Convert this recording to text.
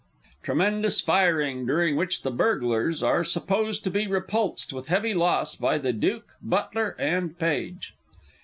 [Tremendous firing, during which the Burglars are supposed to be repulsed with heavy loss by the Duke, Butler, and Page.